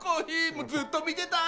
もうずっと見てたい！